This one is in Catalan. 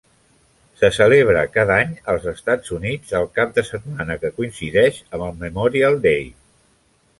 Se celebra cada any als Estats Units el cap de setmana que coincideix amb el Memorial Day.